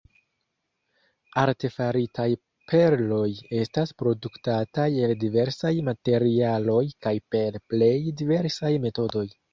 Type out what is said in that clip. Artefaritaj perloj estas produktataj el diversaj materialoj kaj per plej diversaj metodoj.